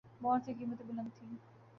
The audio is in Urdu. بانڈز کی قیمتیں بلند تھیں